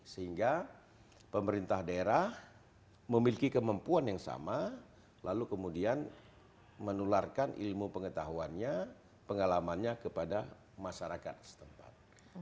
sehingga pemerintah daerah memiliki kemampuan yang sama lalu kemudian menularkan ilmu pengetahuannya pengalamannya kepada masyarakat setempat